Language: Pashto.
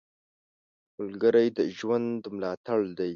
ملګری د ژوند ملاتړ دی